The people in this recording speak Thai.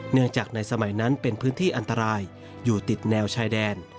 เนื่องจากในสมัยนั้นเป็นพื้นที่อันตรายอยู่ติดแนวชายแดน